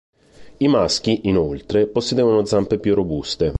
I maschi, inoltre, possedevano zampe più robuste.